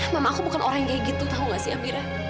mama aku bukan orang yang kayak gitu tahu gak sih abira